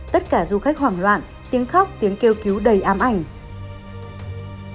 tất cả du khách hoảng loạn tiếng khóc tiếng kêu cứu đầy ám ảnh